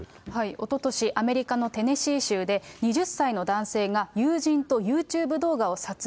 おととし、アメリカのテネシー州で、２０歳の男性が、友人とユーチューブ動画を撮影。